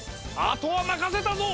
あとはまかせたぞ！